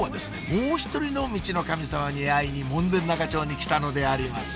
もう一人のミチノカミ様に会いに門前仲町に来たのであります